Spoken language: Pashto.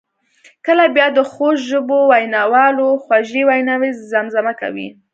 کله بیا د خوږ ژبو ویناوالو خوږې ویناوي زمزمه کوي.